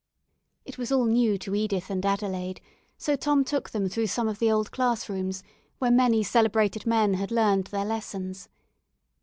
It was all new to Edith and Adelaide, so Tom took them through some of the old class rooms, where many celebrated men had learned their lessons.